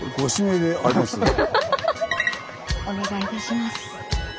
お願いいたします。